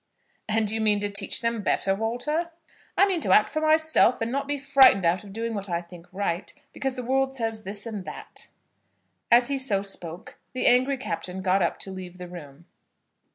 "And you mean to teach them better, Walter?" "I mean to act for myself, and not be frightened out of doing what I think right, because the world says this and that." As he so spoke, the angry Captain got up to leave the room.